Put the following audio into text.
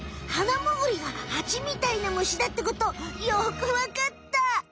ハナムグリがハチみたいなむしだってことよくわかった！